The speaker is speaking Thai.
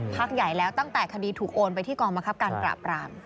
พักใหญ่แล้วตั้งแต่คดีถูกโอนไปที่กองบังคับการปราบราม